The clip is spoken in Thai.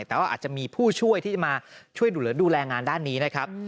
แต่ว่าอาจจะมีผู้ช่วยที่จะมาช่วยดูแลดูแลงานด้านนี้นะครับ